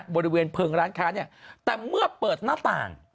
บริเวณเพลิงร้านค้าเนี่ยแต่เมื่อเปิดหน้าต่าง